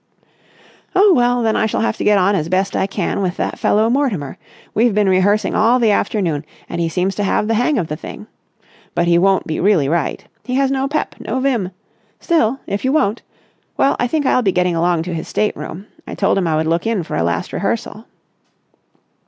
"Oh, well, then I shall have to get on as best I can with that fellow Mortimer. We've been rehearsing all the afternoon, and he seems to have the hang of the thing. But he won't be really right. He has no pep, no vim. Still, if you won't ... well, I think I'll be getting along to his state room. I told him I would look in for a last rehearsal."